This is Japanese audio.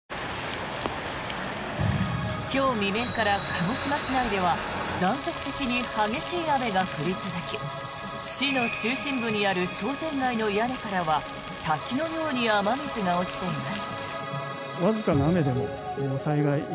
今日未明から鹿児島市内では断続的に激しい雨が降り続き市の中心部にある商店街の屋根からは滝のように雨水が落ちています。